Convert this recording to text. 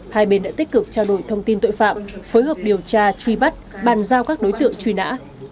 hai bên đã tích cực trao đổi thông tin tội phạm phối hợp điều tra truy bắt bàn giao các đối tượng truy nã